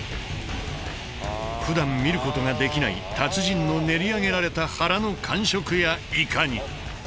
ふだん見ることができない達人の練り上げられた肚の感触やいかに。